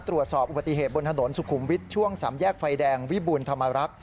ตรวจสอบอุบัติเหตุบนถนนสุขุมวิทย์ช่วงสามแยกไฟแดงวิบูรณธรรมรักษ